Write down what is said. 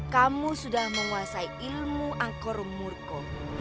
kamu sudah menguasai ilmu angkoromurko